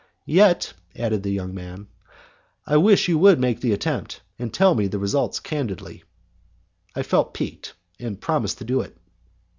"Yet," added the young man, "I wish you would make the attempt, and tell me the result candidly." I felt piqued, and promised to do it.